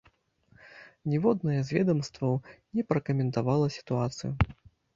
Ніводнае з ведамстваў не пракаментавала сітуацыю.